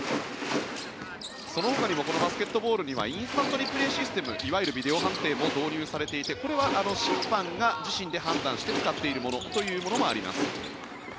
そのほかにもこのバスケットボールにはインスタントリプレーシステムいわゆるビデオ判定も導入されていてこれは審判が自身で判断して使っているものというものもあります。